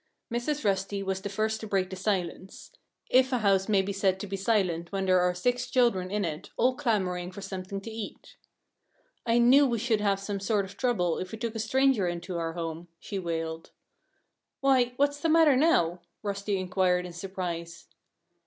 Mrs. Rusty was the first to break the silence if a house may be said to be silent when there are six children in it, all clamoring for something to eat. "I knew we should have some sort of trouble if we took a stranger into our home," she wailed. "Why, what's the matter now?" Rusty inquired in surprise.